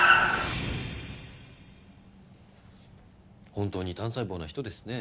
本当に単細胞な人ですね。